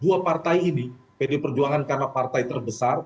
dua partai ini pd perjuangan karena partai terbesar